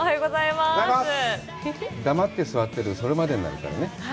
黙って座ってる、それまでになるからね。